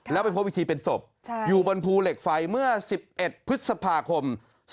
แล้วไปพบอีกทีเป็นศพอยู่บนภูเหล็กไฟเมื่อ๑๑พฤษภาคม๒๕๖